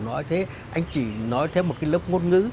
nói thế anh chỉ nói theo một cái lớp ngôn ngữ